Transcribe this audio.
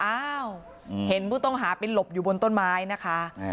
อ้าวเห็นผู้ต้องหาไปหลบอยู่บนต้นไม้นะคะ